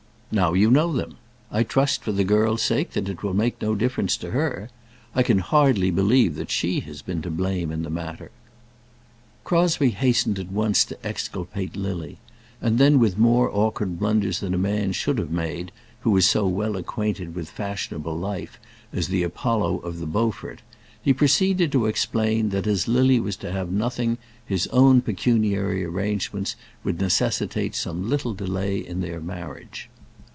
"Now you know them. I trust, for the girl's sake, that it will make no difference to her. I can hardly believe that she has been to blame in the matter." Crosbie hastened at once to exculpate Lily; and then, with more awkward blunders than a man should have made who was so well acquainted with fashionable life as the Apollo of the Beaufort, he proceeded to explain that, as Lily was to have nothing, his own pecuniary arrangements would necessitate some little delay in their marriage.